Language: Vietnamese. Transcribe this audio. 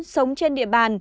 sống trên địa bàn